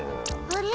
あれ？